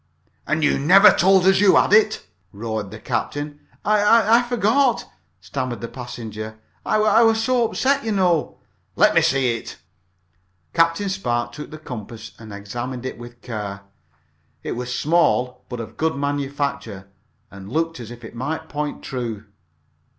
"And you never told us that you had it!" roared the captain. "I I forgot it!" stammered the passenger. "I I was so upset, you know." "Let me see it." Captain Spark took the compass and examined it with care. It was small, but of good manufacture, and looked as if it might point true.